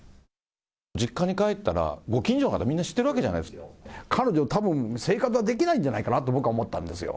実家に帰ったら、ご近所の方、みんな知ってるわけじゃないです彼女、たぶん生活はできないんじゃないかなと僕は思ったんですよ。